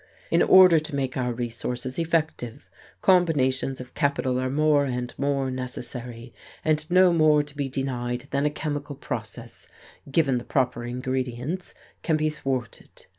In order to make our resources effective, combinations of capital are more and more necessary, and no more to be denied than a chemical process, given the proper ingredients, can be thwarted.